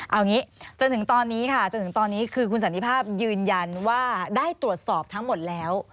เอาอย่างงี้จนถึงตอนนี้ค่ะคือคุณสันนิภาพยืนยันว่าได้ตรวจสอบทั้งหมดแล้ว